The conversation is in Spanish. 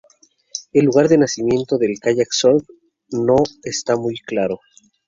El lugar de nacimiento del kayak surf no está muy claro.